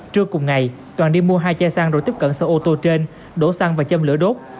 cuối cùng ngày toàn đi mua hai che xăng rồi tiếp cận xe ô tô trên đổ xăng và châm lửa đốt